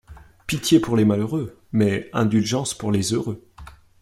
Pitié pour les malheureux, mais indulgence pour les heureux